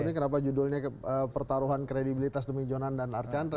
ini kenapa judulnya pertaruhan kredibilitas demi jonan dan archandra